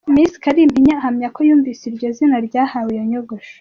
Miss Kalimpinya ahamya ko yumvise iryo zina ryahawe iyo nyogosho.